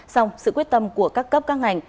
xong sự quyết tâm của các cấp các ngành